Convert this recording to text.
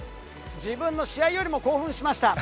自分の試合よりも興奮しました。